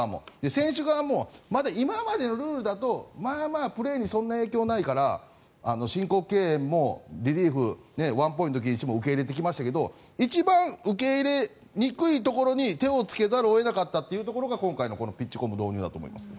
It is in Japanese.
選手側もまだ今までのルールだとまあまあプレーにそんなに影響がないから申告敬遠もリリーフ、ワンポイント禁止も受け入れてきましたけど一番受け入れにくいところに手をつけざるを得なかったというのが今回のこのピッチクロック導入だと思います。